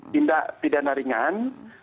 tindak pidana ringan